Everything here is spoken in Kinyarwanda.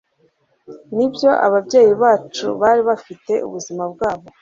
Nibyo ababyeyi bacu bari bafite ubuzima bwabo